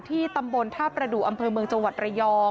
ตำบลท่าประดูกอำเภอเมืองจังหวัดระยอง